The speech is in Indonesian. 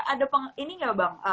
ada ini gak bang